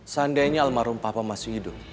seandainya almarhum papa masih hidup